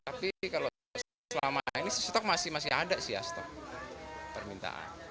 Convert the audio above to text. tapi kalau selama ini stok masih ada sih permintaan